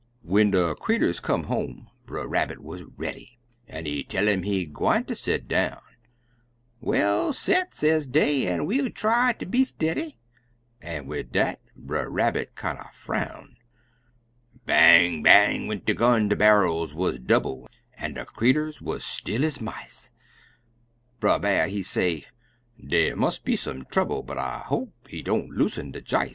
When de creeturs come home, Brer Rabbit wuz ready, An' he tell um he gwineter set down; "Well, set," sez dey, "an' we'll try ter be ste'dy," An' wid dat, Brer Rabbit kinder frown; Bang bang! went de gun de barrels wuz double An' de creeturs wuz still ez mice; Brer B'ar he say, "Dy must be some trouble, But I hope heedon't loosen de j'is!"